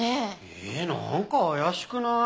えーなんか怪しくない？